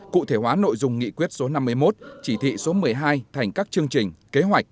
cụ thể hóa nội dung nghị quyết số năm mươi một chỉ thị số một mươi hai thành các chương trình kế hoạch